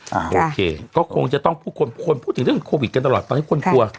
โอเคก็คงจะต้องพูดถึงเรื่องโควิดกันตลอดเพราะให้คนกลัว